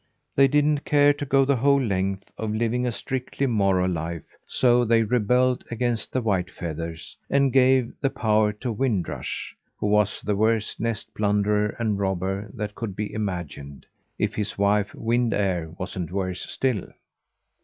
They didn't care to go the whole length of living a strictly moral life, so they rebelled against the Whitefeathers, and gave the power to Wind Rush, who was the worst nest plunderer and robber that could be imagined if his wife, Wind Air, wasn't worse still.